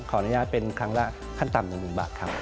ขออนุญาตเป็นครั้งละขั้นต่ำ๑๐๐๐บาทครับ